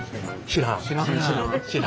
知らん。